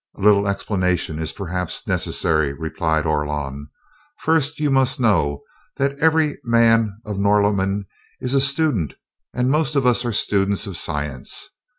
"A little explanation is perhaps necessary," replied Orlon. "First, you must know that every man of Norlamin is a student, and most of us are students of science.